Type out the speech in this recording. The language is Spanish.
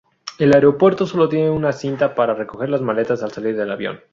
El aeropuerto solo tiene una cinta para recoger las maletas al salir del avión.